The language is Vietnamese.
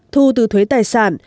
thu từ thuế tài sản